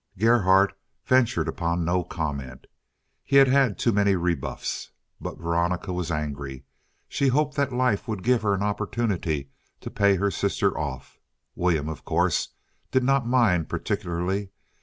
Gerhardt ventured upon no comment. He had had too many rebuffs. But Veronica was angry. She hoped that life would give her an opportunity to pay her sister off. William, of course, did not mind particularly.